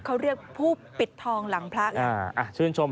เขาเรียกผู้ปิดทองหลังพระไง